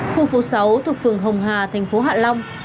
khu phố sáu thuộc phường hồng hà tp hạ long